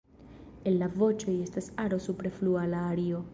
El la voĉoj estas aro supre flua la ario.